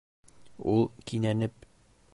Ул, кинәнеп: